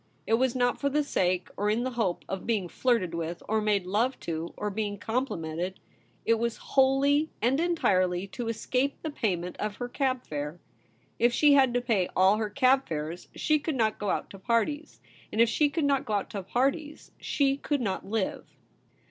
It was not for the sake, or in the hope, of being flirted with, or made love to, or being com plimented ; it was wholly and entirely to escape the payment of her cab fare. If she had to pay all her cab fares, she could not go out to parties ; and if she could not go out to parties, she could not live.